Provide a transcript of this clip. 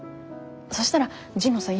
そしたら神野さん